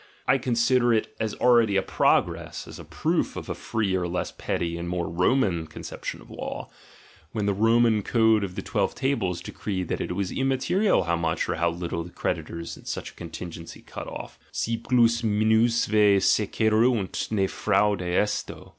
I consider it as already a progress, as a proof of a freer, less petty, and more Roman conception of law, when the Roman Code of the Twelve Tables decreed that it was immaterial how much or how little the creditors in such a contingency cut off, "si plus minusve secuerunt, nc Jraudc esto."